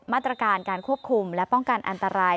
มาตรการการควบคุมและป้องกันอันตราย